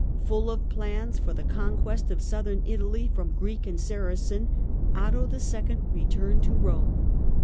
Full of plans for the conquest of Southern Italy from Greek and Saracen, Otto II. returned to Eome.